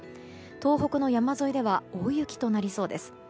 東北の山沿いでは大雪となりそうです。